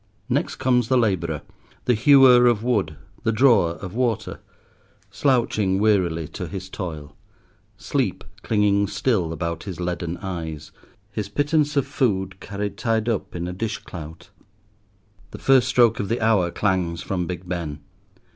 Next comes the labourer—the hewer of wood, the drawer of water—slouching wearily to his toil; sleep clinging still about his leaden eyes, his pittance of food carried tied up in a dish clout. The first stroke of the hour clangs from Big Ben.